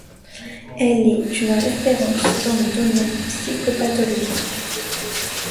Elle est une référence dans le domaine psychopathologique.